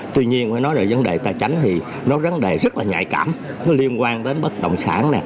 tuy nhiên nói về vấn đề tài tránh thì nó rắn đề rất là nhạy cảm liên quan đến bất động sản